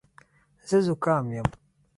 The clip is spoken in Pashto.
زه زکام یم.